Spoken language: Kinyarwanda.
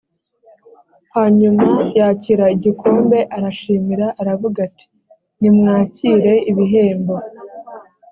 hanyuma yakira igikombe arashimira aravuga ati nimwakire ibihembo